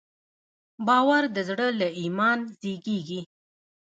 باور د زړه له ایمان زېږېږي.